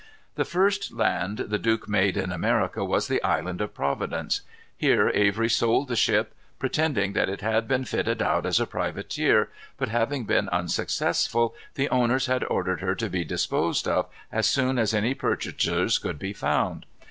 The first land the Duke made in America was the Island of Providence. Here Avery sold the ship, pretending that it had been fitted out as a privateer, but having been unsuccessful, the owners had ordered her to be disposed of, as soon as any purchasers could be found.